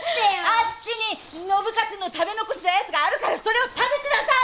あっちに信勝の食べ残したやつがあるからそれを食べてなさい！